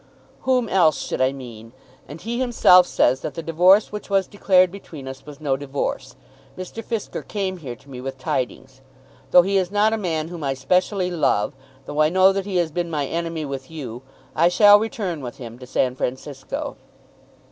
"Whom else should I mean? And he himself says that the divorce which was declared between us was no divorce. Mr. Fisker came here to me with tidings. Though he is not a man whom I specially love, though I know that he has been my enemy with you, I shall return with him to San Francisco."